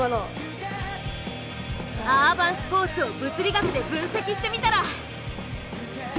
アーバンスポーツを物理学で分析してみたら。